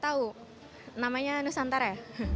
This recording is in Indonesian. tahu namanya nusantara